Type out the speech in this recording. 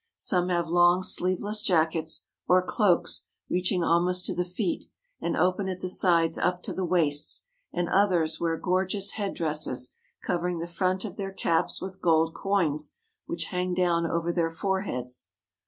Some have long, sleeveless jackets, or cloaks, reaching almost to the feet and open at the sides up to the waists, and others wear gorgeous headdresses, covering the front of their caps with gold coins, which hang down over their fore heads.